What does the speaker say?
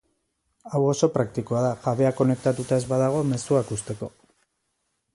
Hau oso praktikoa da jabea konektatuta ez badago mezuak uzteko.